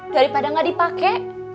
daripada gak dipake